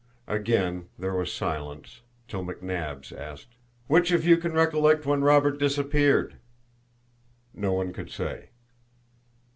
Again there was silence, till McNabbs asked: "Which of you can recollect when Robert disappeared?" No one could say.